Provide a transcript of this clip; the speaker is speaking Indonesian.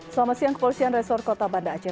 selamat siang kepolisian resor kota banda aceh